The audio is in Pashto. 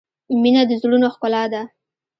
• مینه د زړونو ښکلا ده.